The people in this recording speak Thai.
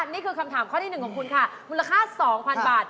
นี่คือคำถามข้อที่๑ของคุณค่ะมูลค่า๒๐๐๐บาท